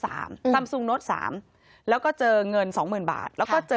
สามสูงนูตสามก็เจอเงินสองหมื่นบาท